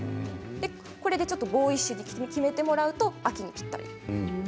これでボーイッシュに決めてもらうと、秋にぴったり。